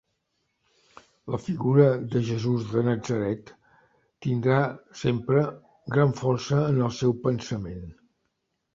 La figura de Jesús de Natzaret tindrà sempre gran força en el seu pensament.